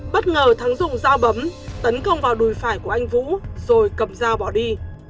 bất ngờ thắng dùng dao bấm tấn công vào đùi phải của anh vũ rồi cầm dao bỏ đi